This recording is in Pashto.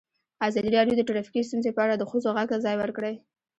ازادي راډیو د ټرافیکي ستونزې په اړه د ښځو غږ ته ځای ورکړی.